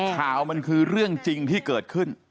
ข่าวมันคือเรื่องจริงที่เกิดขึ้น